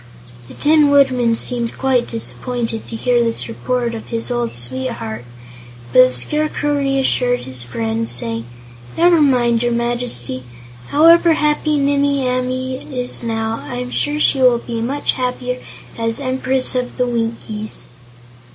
The Tin Woodman seemed quite disappointed to hear this report of his old sweetheart, but the Scarecrow reassured his friend, saying: "Never mind, your Majesty; however happy Nimmie Amee is now, I'm sure she will be much happier as Empress of the Winkies."